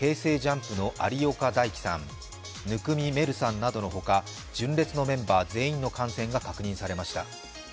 ＪＵＭＰの有岡大貴さん、生見愛瑠さんなどの他、純烈のメンバー全員の感染が確認されました。